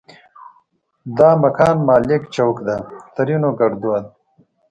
دا مکان مالک چوک ده؛ ترينو ګړدود